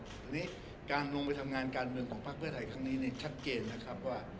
ตอนนี้การลงไปทำงานการเมืองของภาคเพื่อไทยครั้งนี้ชัดเจนนะครับว่า